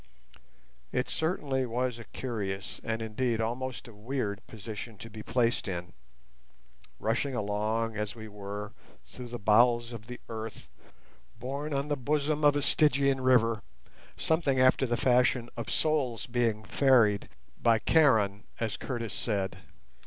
It certainly was a curious, and indeed almost a weird, position to be placed in—rushing along, as we were, through the bowels of the earth, borne on the bosom of a Stygian river, something after the fashion of souls being ferried by Charon, as Curtis said.